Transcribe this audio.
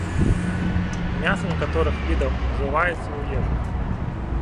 Мяса некаторых відаў ужываецца ў ежу.